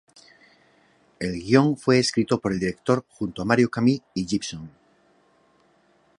El guion fue escrito por el director junto a Mario Camus y Gibson.